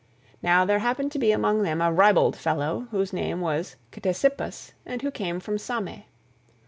Now there happened to be among them a ribald fellow, whose name was Ctesippus, and who came from Same.